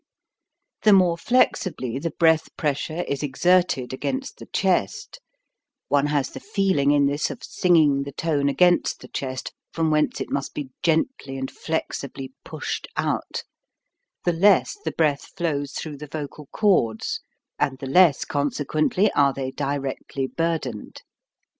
The more flexibly the breath pressure is exerted against the chest, one has the feeling in this of singing the tone against the chest from whence it must be gently and flexibly pushed out, the less the breath flows through the vocal cords and the less, consequently, are they directly burdened.